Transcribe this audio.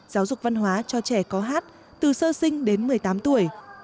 giáo dục văn hóa cho trẻ có hát từ sơ sinh đến một mươi tám tuổi